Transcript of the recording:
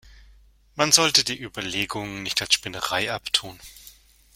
Man sollte die Überlegungen nicht als Spinnerei abtun.